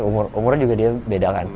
umur umurnya juga dia beda kan